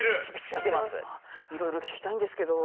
いろいろ聞きたいんですけど。